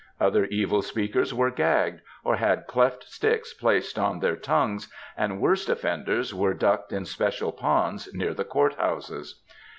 Other evil speakers were gagged, or had cleft sticks placed on their tongues, and worse ofienders were ducked in special ponds near the court houses.